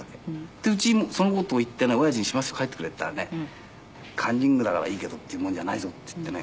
でうちその事を言ってね親父に「始末書書いてくれ」って言ったらね「カンニングだからいいけどっていうもんじゃないぞ」って言ってね